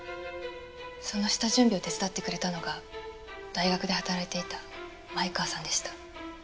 その下準備を手伝ってくれたのが大学で働いていた前川さんでした。